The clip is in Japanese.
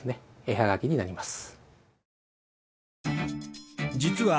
絵はがきになります